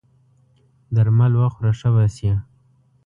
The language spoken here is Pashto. درمل وخوره ښه به سې!